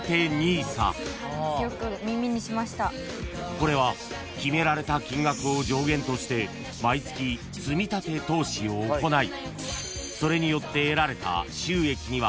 ［これは決められた金額を上限として毎月積立投資を行いそれによって］